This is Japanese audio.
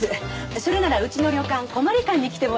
それならうちの旅館古毬館に来てもらいます。